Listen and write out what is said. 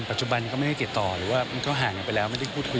ปัจจุบันก็ไม่ได้ติดต่อหรือว่ามันก็ห่างกันไปแล้วไม่ได้พูดคุย